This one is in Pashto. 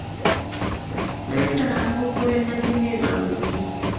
سړی تر هغو پورې نه ځینې رالویږي.